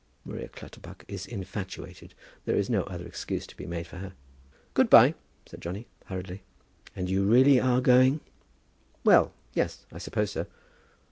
Maria Clutterbuck is infatuated. There is no other excuse to be made for her." "Good by," said Johnny, hurriedly. "And you really are going?" "Well, yes. I suppose so."